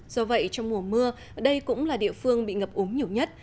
do vậy trong mùa mưa ở đây cũng là địa phương bị ngập ống nhiều nhất